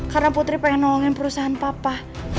karena putri pengen nolongin perusahaan papa